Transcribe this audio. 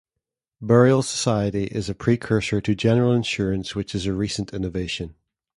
Burial society is a pre-cursor to general insurance which is a recent innovation.